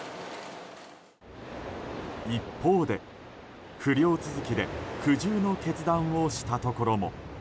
一方で不漁続きで苦渋の決断をしたところも。